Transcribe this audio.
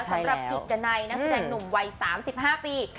สำหรับกิจดันัยนักแสดงหนุ่มวัย๓๕ปี